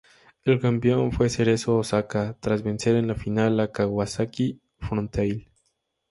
El campeón fue Cerezo Osaka, tras vencer en la final a Kawasaki Frontale.